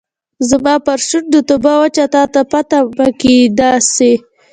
زما پر شونډو توبه وچه تاته پاته میکده سي